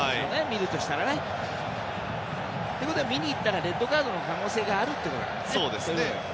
見るとしたらね。ということは、見に行ったらレッドカードの可能性があるということですね。